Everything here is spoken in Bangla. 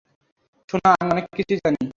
সোনা, আমি অনেক কিছুই জানি।